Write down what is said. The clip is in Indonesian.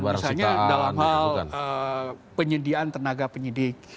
misalnya dalam hal penyediaan tenaga penyidik